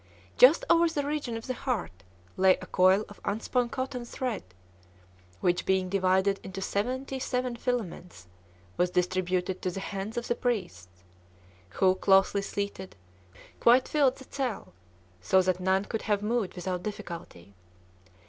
Just over the region of the heart lay a coil of unspun cotton thread, which, being divided into seventy seven filaments, was distributed to the hands of the priests, who, closely seated, quite filled the ell, so that none could have moved without difficulty.